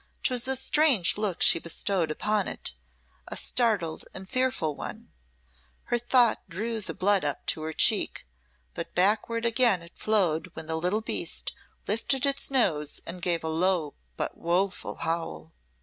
'Twas a strange look she bestowed upon it, a startled and fearful one; her thought drew the blood up to her cheek, but backward again it flowed when the little beast lifted its nose and gave a low but woeful howl.